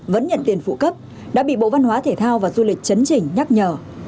vẫn nhận tiền phụ cấp đã bị bộ văn hóa thể thao và du lịch chấn chỉnh nhắc nhở